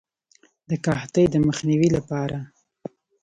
د قحطۍ د مخنیوي لپاره.